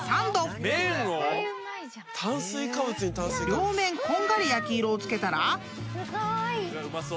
［両面こんがり焼き色を付けたら］